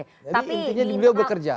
jadi intinya beliau bekerja